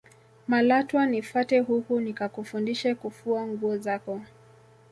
malatwa nifate huku nikakufundishe kufua nguo zako